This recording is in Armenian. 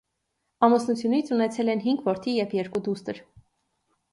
Ամուսնությունից ունեցել են հինգ որդի և երկու դուստր։